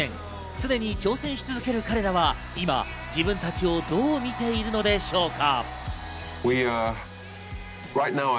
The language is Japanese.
常に挑戦し続ける彼らは今自分たちをどう見ているのでしょうか？